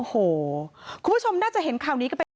โหคุณผู้ชมน่าจะเห็นคราวนี้ก็เป็น